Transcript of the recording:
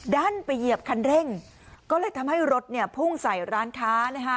ด้านไปเหยียบคันเร่งก็เลยทำให้รถเนี่ยพุ่งใส่ร้านค้านะฮะ